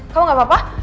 kamu gak apa apa